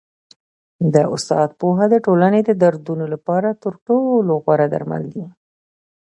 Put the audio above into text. د استاد پوهه د ټولني د دردونو لپاره تر ټولو غوره درمل دی.